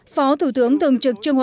phó thủ tướng thượng trực trung quốc